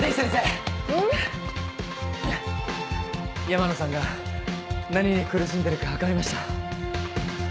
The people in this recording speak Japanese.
山野さんが何に苦しんでるか分かりました。